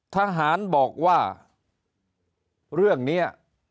ทหารบอกว่าเรื่องนี้